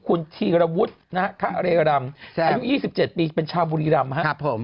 คุณธีรวรรมอายุ๒๗ปีเป็นชาวบุรีรำ